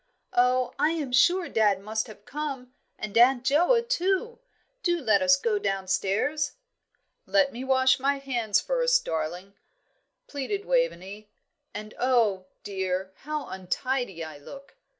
"Oh, I am sure dad must have come, and Aunt Joa, too. Do let us go downstairs." "Let me wash my hands first, darling," pleaded Waveney. "And oh, dear, how untidy I look!"